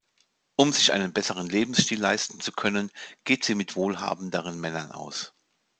Um sich einen besseren Lebensstil leisten zu können, geht sie mit wohlhabenderen Männern aus.